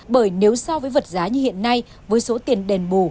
bởi nếu so với vật giá như hiện nay với số tiền đền bù